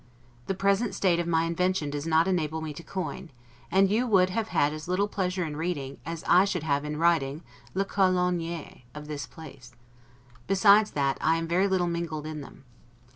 The present state of my invention does not enable me to coin; and you would have had as little pleasure in reading, as I should have in writing 'le coglionerie' of this place; besides, that I am very little mingled in them.